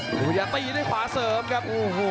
พยายามตีด้วยขวาเสริมครับโอ้โห